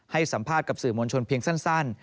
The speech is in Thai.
ให้สัมภาษณ์กับสื่อมวลชนเพียงสั้น